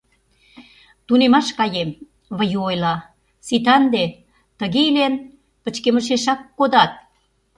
— Тунемаш каем, — Выю ойла, — сита ынде, тыге илен, пычкемышешак кодат...